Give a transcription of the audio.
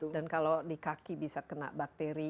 dan kalau di kaki bisa kena bakteri